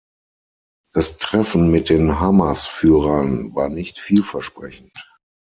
Das Treffen mit den Hamas-Führern war nicht vielversprechend.